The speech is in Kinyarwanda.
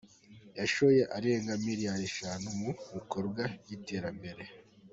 yashoye arenga miliyali eshanu mu bikorwa by’iterambere